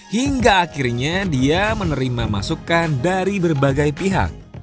hingga akhirnya dia menerima masukan dari berbagai pihak